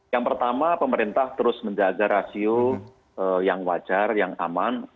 yang pertama pemerintah terus menjaga rasio yang wajar yang aman